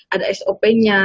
ada sop nya